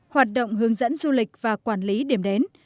hoạt động hướng dẫn du lịch và quản lý điểm đến